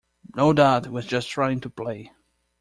No doubt it was just trying to play.